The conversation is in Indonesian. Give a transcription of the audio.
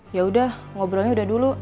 yaudah ngobrolnya udah dulu